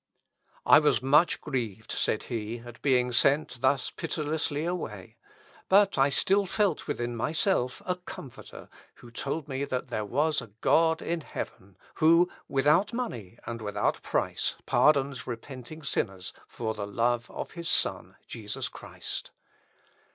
"I was much grieved," said he, "at being sent thus pitilessly away; but I still felt within myself a Comforter, who told me that there was a God in heaven, who, without money and without price, pardons repenting sinners for the love of his Son Jesus Christ.